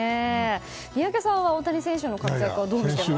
宮家さんは、大谷選手の活躍どう見てますか？